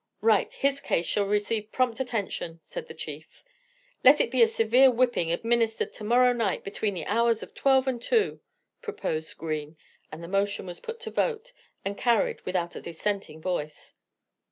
"Right! his case shall receive prompt attention!" said the chief. "Let it be a severe whipping administered to morrow night, between the hours of twelve and two," proposed Green, and the motion was put to vote and carried without a dissenting voice.